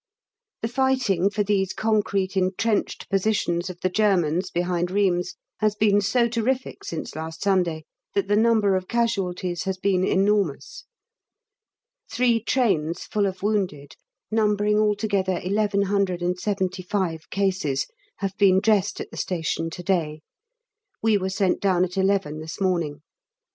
The fighting for these concrete entrenched positions of the Germans behind Rheims has been so terrific since last Sunday that the number of casualties has been enormous. Three trains full of wounded, numbering altogether 1175 cases, have been dressed at the station to day; we were sent down at 11 this morning.